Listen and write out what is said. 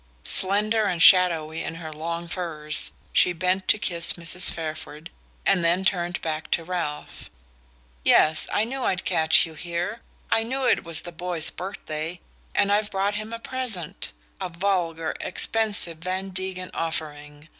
Slender and shadowy in her long furs, she bent to kiss Mrs. Fairford and then turned back to Ralph. "Yes, I knew I'd catch you here. I knew it was the boy's birthday, and I've brought him a present: a vulgar expensive Van Degen offering.